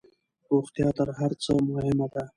روغتيا تر هرڅه مهمه ده